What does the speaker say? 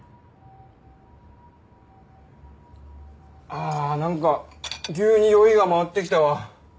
あぁ何か急に酔いが回ってきたわ。